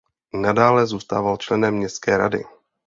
Nadále zůstával členem městské rady.